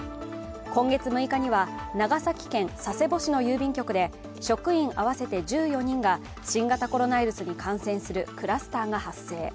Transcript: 今月６日には長崎県佐世保市の郵便局で職員合わせて１４人が新型コロナウイルスに感染するクラスターが発生。